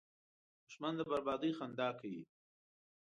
دښمن د بربادۍ خندا کوي